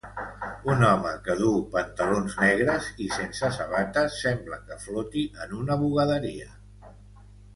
Un home que duu pantalons negres i sense sabates sembla que floti en una bugaderia.